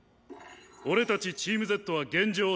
俺たちチームＺは現状３位。